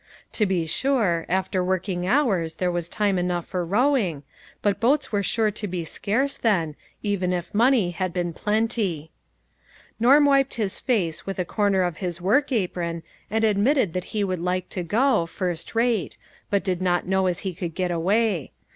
To be sure, after working hours, there was time PLEASURE AND DISAPPOINTMENT. 203 enough for rowing, but boats were sure to be scarce then, even if money had been plenty. Norm wiped his face with a corner of his work apron, and admitted that he Avould like to go, first rate, but did not know as he could get away.